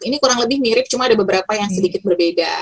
ini kurang lebih mirip cuma ada beberapa yang sedikit berbeda